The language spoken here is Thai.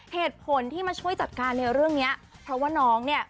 เหตุผลที่มาช่วยจัดการในเรื่องเนี้ยเพราะว่าน้องเนี่ย